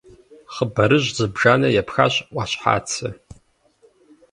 Хъыбарыжь зыбжанэ епхащ Ӏуащхьацэ.